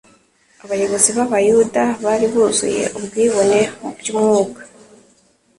Abayobozi b'abayuda bari buzuye ubwibone mu by'umwuka.